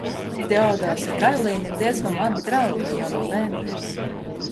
Teodors un Karlīna ir diezgan labi draugi jau no bērnības.